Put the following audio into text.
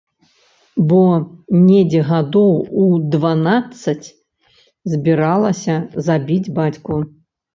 Бо недзе гадоў у дванаццаць збіралася забіць бацьку.